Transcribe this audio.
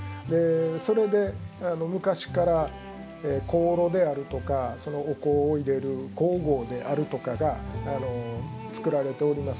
それで昔から香炉であるとかお香を入れる香合であるとかが作られております。